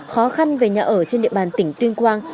khó khăn về nhà ở trên địa bàn tỉnh tuyên quang